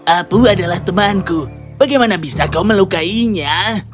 aku adalah temanku bagaimana bisa kau melukainya